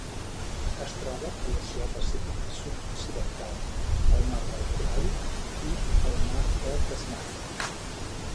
Es troba a l'Oceà Pacífic sud-occidental: el Mar del Corall i el Mar de Tasmània.